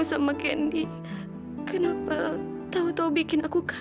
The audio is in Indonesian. lu mau tahu siapa gue